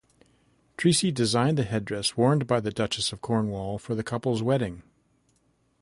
Treacy designed the headdress worn by the Duchess of Cornwall for the couple's wedding.